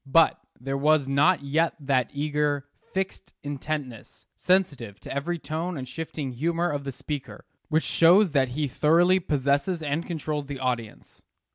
But there was not yet that eager, fixed intentness, sensitive to every tone and shifting humor of the speaker, which shows that he thoroughly possesses and controls the audience.